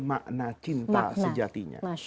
makna cinta sejatinya